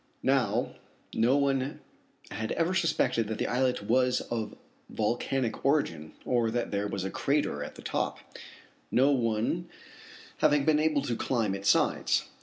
Now no one had ever suspected that the islet was of volcanic origin, or that there was a crater at the top, no one having been able to climb its sides.